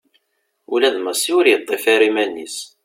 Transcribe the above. Ula d Massi ur yeṭṭif ara iman-is.